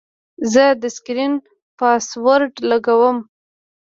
زه د سکرین پاسورډ لګوم.